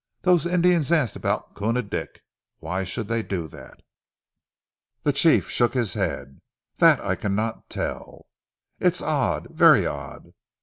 Those Indians asked about Koona Dick. Why should they do that?" The chief shook his head. "Dat I cannot tell." "It's odd, very odd!